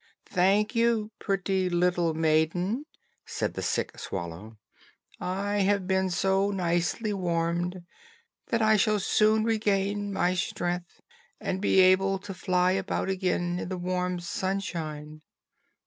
"Thank you, pretty little maiden," said the sick swallow; "I have been so nicely warmed, that I shall soon regain my strength, and be able to fly about again in the warm sunshine."